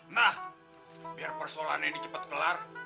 nah biar persoalannya ini cepat kelar